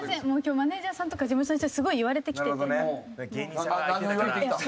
マネジャーさんとか事務所の人にすごい言われてきてて。